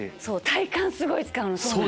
体幹すごい使うの。